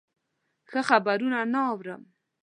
ښه خبرونه نه اورم.